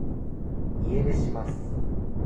家出します